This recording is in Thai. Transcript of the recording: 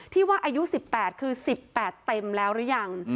ที่ว่าอายุ๑๘คือ๑๘เต็มแล้วหรือยัง